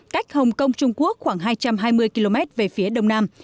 cách hồng kông trung quốc khoảng hai trăm hai mươi km về phía đông nam